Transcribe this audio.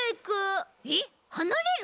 えっはなれる！？